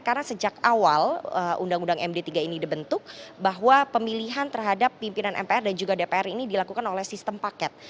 karena sejak awal undang undang md tiga ini dibentuk bahwa pemilihan terhadap pimpinan mpr dan juga dpr ini dilakukan oleh sistem paket